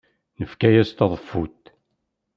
Nefka-as taḍeffut.